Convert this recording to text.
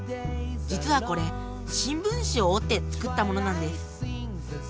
実はこれ新聞紙を折って作ったものなんです。